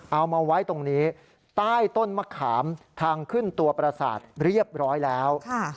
เอามาไว้ตรงนี้ใต้ต้นมะขามทางขึ้นตัวประสาทเรียบร้อยแล้ว